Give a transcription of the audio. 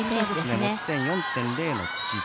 持ち点４．０の土田。